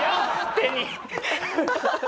手に。